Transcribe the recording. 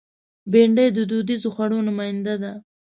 بېنډۍ د دودیزو خوړو نماینده ده